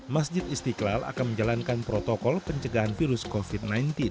masjid istiqlal akan menjalankan protokol pencegahan virus covid sembilan belas